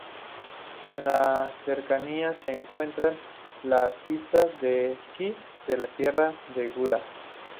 En las cercanías se encuentran las pistas de esquí de la Sierra de Gúdar.